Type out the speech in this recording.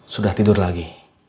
sudah tidur lagi